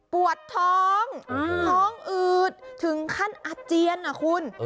ปวดท้องท้องอืดถึงขั้นอาเจียนนะคุณ